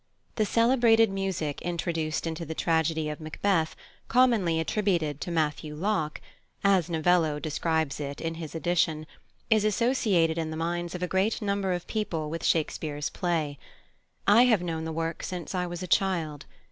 "The celebrated music introduced into the tragedy of Macbeth, commonly attributed to +Matthew Locke+," as Novello describes it in his edition, is associated in the minds of a great number of people with Shakespeare's play. I have known the work since I was a child.